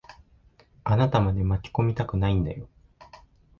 あなたまで巻き込みたくないんだよ。